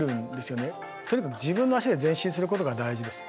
とにかく自分の足で前進することが大事です。